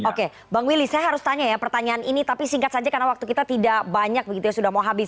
oke bang willy saya harus tanya ya pertanyaan ini tapi singkat saja karena waktu kita tidak banyak begitu ya sudah mau habis